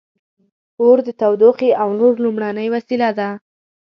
• اور د تودوخې او نور لومړنۍ وسیله وه.